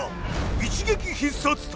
一撃必殺隊